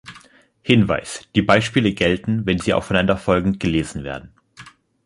Hinweis: Die Beispiele gelten, wenn sie aufeinanderfolgend gelesen werden.